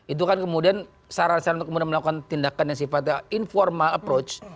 itu kan kemudian saran saran untuk kemudian melakukan tindakan yang sifatnya informal approach